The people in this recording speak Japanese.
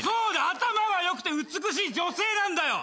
頭が良くて美しい女性なんだよ。